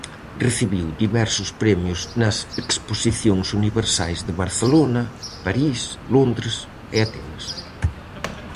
Recibiu diversos premios nas exposicións universais de Barcelona, París, Londres e Atenas.